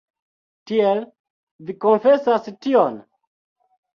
Tiel, vi konfesas tion?